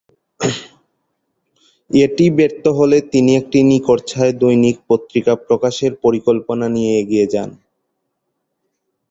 এটি ব্যর্থ হলে তিনি একটি নিখরচায় দৈনিক পত্রিকা প্রকাশের পরিকল্পনা নিয়ে এগিয়ে যান।